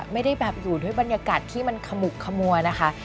ไม่ได้แบบอยู่ด้วยบรรยากาศที่มันขมุกขมัวนะคะ